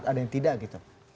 ada yang tidak gitu